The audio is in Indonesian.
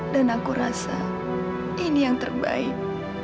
dan aku rasa ini yang terbaik